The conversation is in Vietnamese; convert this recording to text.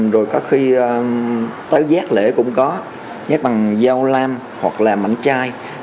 rồi có khi tới giác lễ cũng có nhắc bằng dao lam hoặc là mảnh chai